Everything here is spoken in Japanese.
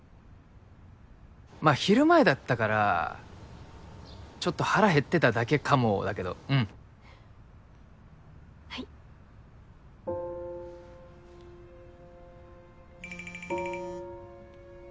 まあ昼前だったからちょっと腹減ってただけかもだけどうん。ははっはい。